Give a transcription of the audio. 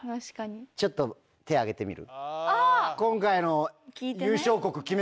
ちょっと手挙げてみる？